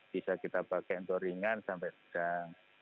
bisa kita pakai untuk ringan sampai sedang